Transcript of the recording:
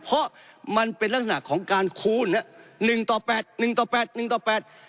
เพราะมันเป็นลักษณะของการคูณ๑ต่อ๘๑ต่อ๘๑ต่อ๘